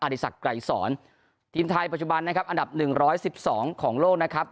ดีสักไกรสอนทีมไทยปัจจุบันนะครับอันดับหนึ่งร้อยสิบสองของโลกนะครับ